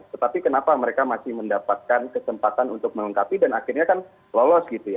tetapi kenapa mereka masih mendapatkan kesempatan untuk melengkapi dan akhirnya kan lolos gitu ya